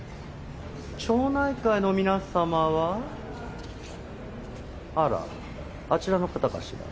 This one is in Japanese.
町内会の皆様はあらあちらの方かしら？